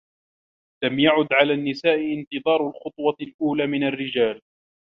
لم يعد على النّساء انتظار الخطوة الأولى من الرّجال.